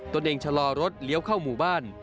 ตัวเองชะลอรถเลี้ยวเข้าหมู่บ้าน